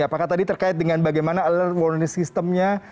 apakah tadi terkait dengan bagaimana alert warning system nya